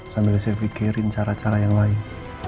sambil saya pikirin cara cara yang lain